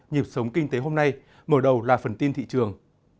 nhịp sống kinh tế hôm nay mở đầu là phần tin thị trường